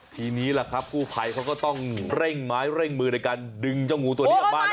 ทีนี้ล่ะครับกู้ภัยเขาก็ต้องเร่งไม้เร่งมือในการดึงเจ้างูตัวนี้กลับบ้านนะ